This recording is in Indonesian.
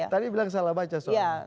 tadi bilang salah baca soalnya